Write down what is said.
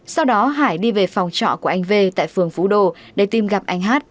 sau đó hải đi về phòng trọ của anh v tại phường phú đô để tìm gặp anh hát